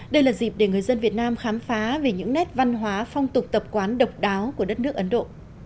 đây là dịp để người dân việt nam khám phá về những nét văn hóa phong tục tập quán độc đáo của đất nước ấn độ